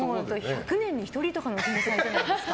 １００年に１人とかの天才じゃないですか。